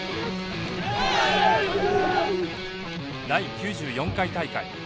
第９４回大会。